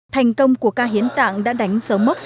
thành công của ca hiến tạng đã đánh sớm mốc